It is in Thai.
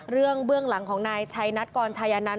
เรื่องเบื้องหลังของนายชัยนัดกรชายานัน